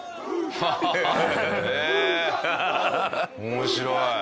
面白い。